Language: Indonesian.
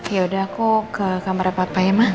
yaudah aku ke kamar papa ya ma